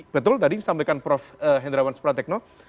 betul tadi disampaikan prof hendrawan supratekno